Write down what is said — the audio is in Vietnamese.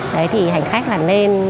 đấy thì hành khách là nên